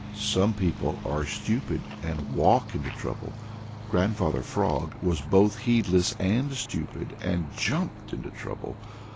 Some people are stupid and walk into trouble. Grandfather Frog was both heedless and stupid and jumped into trouble.